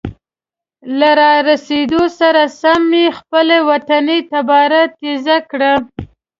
له را رسیدو سره سم یې خپله وطني تباره تیزه کړه.